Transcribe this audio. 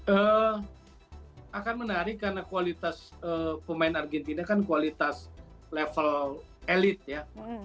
eee akan menarik karena kualitas pemain argentina kan kualitas level elit ya